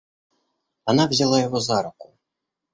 Она взяла его за руку.